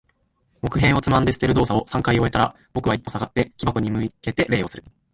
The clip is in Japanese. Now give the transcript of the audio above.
木片をつまんで捨てる動作を三回終えたら、僕は一歩下がって、木箱に向けて礼をする。